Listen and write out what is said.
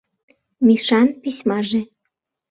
Мишан письмаже